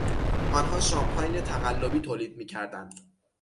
آنها شامپاین تقلبی تولید میکردند.